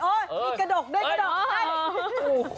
โอ้ยมีกระดกด้วยกระดก